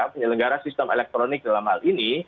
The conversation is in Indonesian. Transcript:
penyelenggara sistem elektronik dalam hal ini